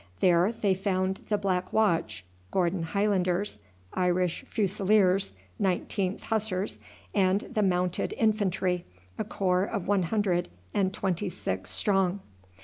There they found the Black Watch, Gordon Highlanders, Irish Fusiliers, 19th Hussars, and the Mounted Infantry, a corps of one hundred and twenty six strong.